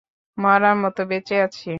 মরার মত বেঁচে আছি।